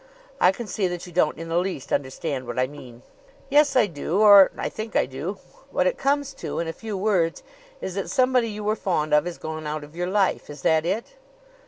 I can see that you don't in the least understand what I mean." "Yes; I do or I think I do. What it comes to, in a few words, is that somebody you were fond of has gone out of your life. Is that it?"